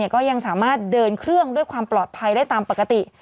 ก็ยังสามารถเดินเครื่องด้วยความปลอดภัยได้ตามปกติ